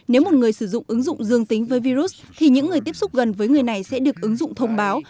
nếu một người sử dụng ứng dụng dương tính với virus thì những người tiếp xúc gần với người này sẽ được ứng dụng thông báo